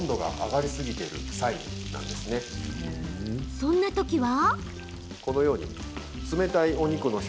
そんなときは。